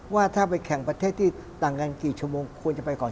บางทีไปแข่งอย่างอาเชียนไม่เท่าไหร่